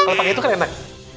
kalau pakai itu kan enak